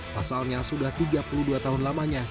pasalnya sudah tiga puluh dua tahun lamanya